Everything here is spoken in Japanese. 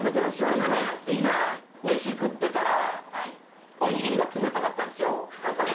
あのね今メシ食ってたらおにぎりが冷たかったんですよ。